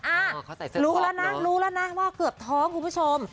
รู้แล้วนะรู้แล้วนะว่าเกือบท้องคุณผู้ชม